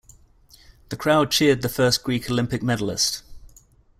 The crowd cheered the first Greek Olympic medallist.